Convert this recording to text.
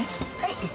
はい。